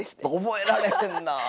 覚えられへんなあ。